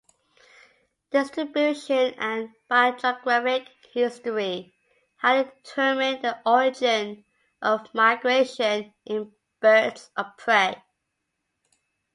Distribution and biogeographic history highly determine the origin of migration in birds of prey.